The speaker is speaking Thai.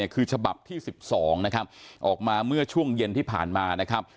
คือฉบับที่๑๒ออกมาเมื่อช่วงเย็นที่ผ่านมา